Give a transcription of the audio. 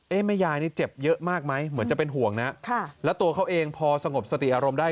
แม่ยายนี่เจ็บเยอะมากไหมเหมือนจะเป็นห่วงนะค่ะแล้วตัวเขาเองพอสงบสติอารมณ์ได้